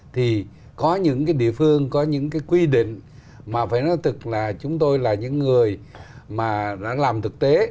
thì có những cái địa phương có những cái quy định mà phải nói tức là chúng tôi là những người mà đã làm thực tế